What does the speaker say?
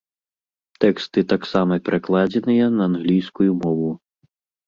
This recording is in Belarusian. Тэксты таксама перакладзеныя на англійскую мову.